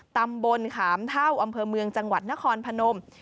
ตำบลขามเท่าอำเภอเมืองจังหวัดนครพนม